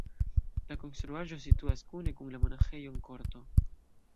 La konstruaĵo situas kune kun la monaĥejo en korto.